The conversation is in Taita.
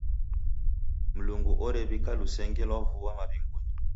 Mlungu orew'ika lusenge lwa vua maw'ingunyi.